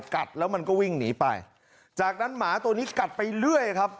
กัดแล้วมันก็วิ่งหนีไปจากนั้นหมาตัวนี้กัดไปเรื่อยครับ